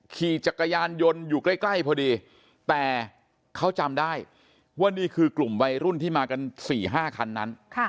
ขี่จักรยานยนต์อยู่ใกล้พอดีแต่เขาจำได้ว่านี่คือกลุ่มวัยรุ่นที่มากัน๔๕คันนั้น